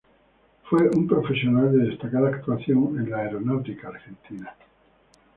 Fue un profesional de destacada actuación en la Aeronáutica Argentina.